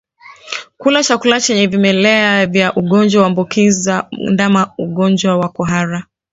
Kula chakula chenye vimelea vya ugonjwa huambukiza ndama ugonjwa wa kuhara